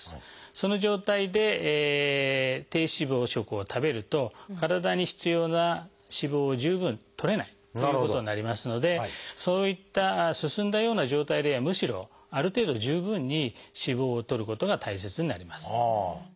その状態で低脂肪食を食べると体に必要な脂肪を十分とれないということになりますのでそういった進んだような状態ではむしろある程度十分に脂肪をとることが大切になります。